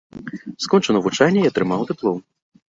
Скончыў навучанне і атрымаў дыплом.